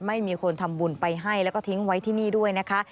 ไม่มีคนทำบุญไปให้แล้วก็ทิ้งไว้ที่นี่ด้วยนะคะ